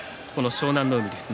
湘南乃海です。